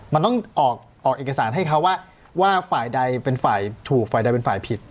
มันต้องออกเอกสารให้เขาว่าฝ่ายใดเป็นฝ่ายถูกฝ่ายใดเป็นฝ่ายผิด